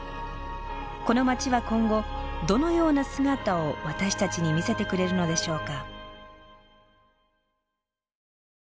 この街は今後どのような姿を私たちに見せてくれるのでしょうか？